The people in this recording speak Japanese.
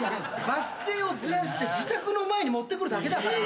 バス停をずらして自宅の前に持ってくるだけだから。